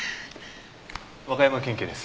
和歌山県警です。